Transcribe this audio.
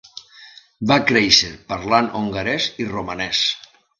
Va créixer parlant hongarès i romanès.